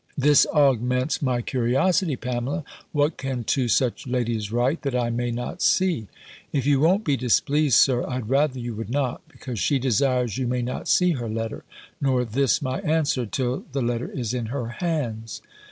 "This augments my curiosity, Pamela. What can two such ladies write, that I may not see?" "If you won't be displeased, Sir, I had rather you would not, because she desires you may not see her letter, nor this my answer, till the letter is in her hands."